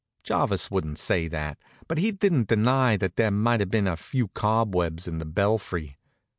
Jarvis wouldn't say that; but he didn't deny that there might have been a few cobwebs in the belfry.